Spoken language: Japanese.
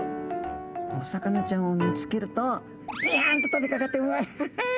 お魚ちゃんを見つけるとビヤンと飛びかかってわい！